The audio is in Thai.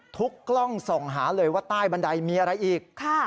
กล้องส่องหาเลยว่าใต้บันไดมีอะไรอีก